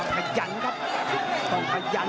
นี่ต้องขยันครับต้องขยัน